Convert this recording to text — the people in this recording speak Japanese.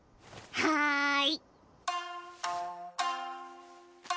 はい！